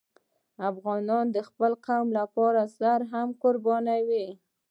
افغان د خپل قوم لپاره سر هم قربانوي.